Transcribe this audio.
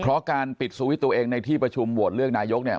เพราะการปิดสวิตช์ตัวเองในที่ประชุมโหวตเลือกนายกเนี่ย